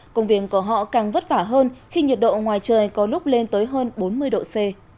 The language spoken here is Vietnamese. công viên của họ càng vất vả hơn khi nhiệt độ ngoài trời có lúc lên tới hơn bốn mươi độ c